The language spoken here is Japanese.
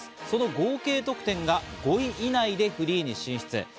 その合計得点が５位以内でフリーに進出。